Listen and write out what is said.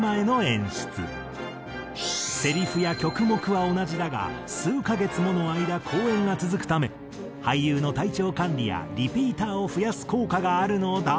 せりふや曲目は同じだが数カ月もの間公演が続くため俳優の体調管理やリピーターを増やす効果があるのだが。